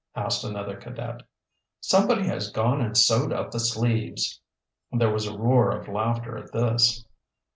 asked another cadet. "Somebody has gone and sewed up the sleeves." There was a roar of laughter at this.